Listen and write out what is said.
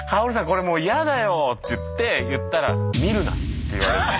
これもう嫌だよ」って言って言ったら「見るな！」って言われる。